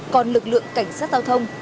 còn lực lượng cảnh sát giao thông